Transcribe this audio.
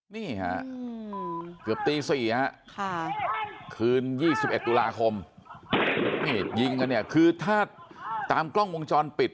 นี่ฮะเกือบตี๔ฮะคืน๒๑ตุลาคมนี่ยิงกันเนี่ยคือถ้าตามกล้องวงจรปิด